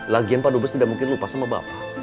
lagian padu bos tidak mungkin lupa sama bapak